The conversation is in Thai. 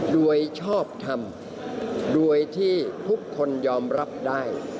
โดยชอบทำโดยที่ทุกคนยอมรับได้